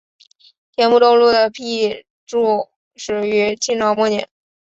天目东路的辟筑始于清朝末年。